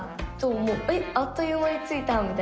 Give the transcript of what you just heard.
「えっあっというまについた」みたいな。